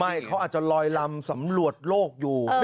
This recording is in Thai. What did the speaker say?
เขาอาจจะลอยลำสำรวจโลกอยู่